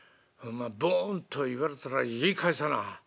ボンと言われたら言い返さな。